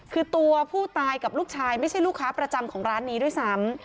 คือตัวผู้ตายกับลูกชายไม่ใช่ลูกค้าประจำของร้านนี้ด้วยซ้ำ